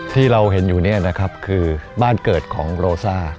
ที่เราเห็นอยู่เนี่ยนะครับคือบ้านเกิดของโรซ่า